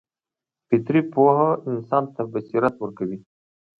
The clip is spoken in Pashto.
فطري پوهه انسان ته بصیرت ورکوي.